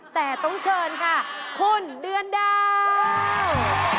แต่ต้องเชิญค่ะคุณเดือนดาว